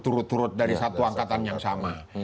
turut turut dari satu angkatan yang sama